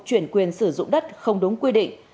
chuyển quyền sử dụng đất không đúng quy định